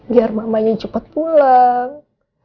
biar mamanya cepet pulang